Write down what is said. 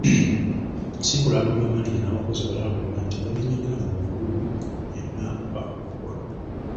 Ssenkulu alabudde bamaneja n’abakozi abalala bonna nti abaneenyigira mu vvulugu yenna baakugobwa.